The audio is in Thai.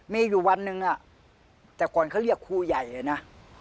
มีอยู่วันหนึ่งแต่ก่อนเขาเรียกครูใหญ่เลยนะ